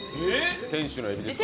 天使のエビですか？